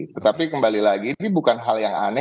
tetapi kembali lagi ini bukan hal yang aneh